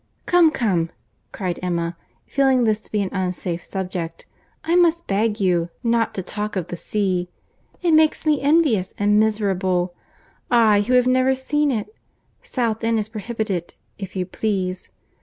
"Come, come," cried Emma, feeling this to be an unsafe subject, "I must beg you not to talk of the sea. It makes me envious and miserable;—I who have never seen it! South End is prohibited, if you please.